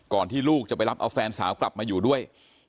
ที่ลูกจะไปรับเอาแฟนสาวกลับมาอยู่ด้วย